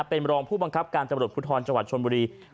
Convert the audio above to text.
เป็นรองผู้บังคับการตำรวจภูทรจังหวัดชนบุรี